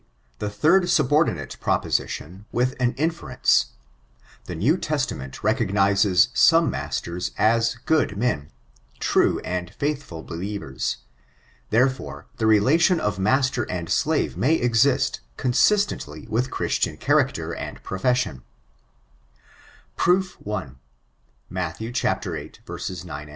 The third subordinate propontian, with an inferenee, — jT^ New Testament recognizes some masters as good men — true and faithful beUevers : tkerefore^ the relation of master and slave may exist, consistently with Christian character and profession* Proof 1. — Matt viiL 9.